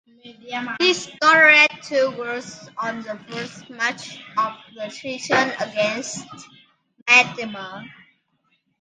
He scored two goals on the first match of the season against Medeama.